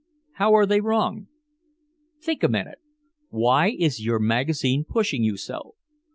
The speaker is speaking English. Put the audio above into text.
"How are they wrong?" "Think a minute. Why is your magazine pushing you so?